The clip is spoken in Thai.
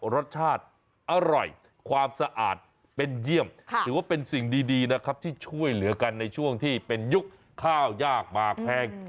รสชาติอร่อยความสะอาดเป็นเยี่ยมถือว่าเป็นสิ่งดีนะครับที่ช่วยเหลือกันในช่วงที่เป็นยุคข้าวยากมากแพง